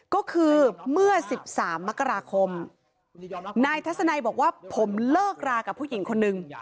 ก็คือเมื่อ๑๓มกราคมนายทัศนัยบอกว่าผมเลิกรากับผู้หญิงคนนึง